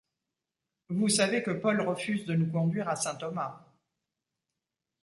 Vous savez que Paul refuse de nous conduire à Saint-Thomas.